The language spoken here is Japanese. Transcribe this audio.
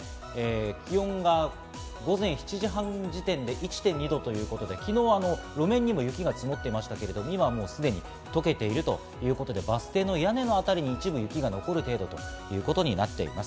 気温が午前７時半時点で１．２度ということで昨日、路面にも雪が積もっていましたが、今はすでに溶けているということで、バス停の屋根の辺りに一部雪が残る程度ということになっています。